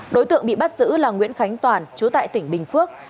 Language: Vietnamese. đối tượng bị bắt giữ là nguyễn khánh toàn chú tại tỉnh bình phước